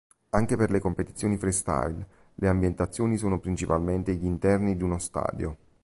Anche per le competizioni "freestyle" le ambientazioni sono principalmente gli interni di uno stadio.